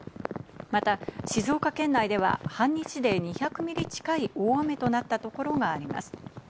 また静岡県内では半日で２００ミリ近い大雨となったところがあります。